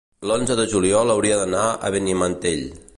L'onze de juliol hauria d'anar a Benimantell.